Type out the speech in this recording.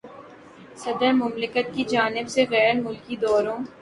صدر مملکت کی جانب سے غیر ملکی دوروں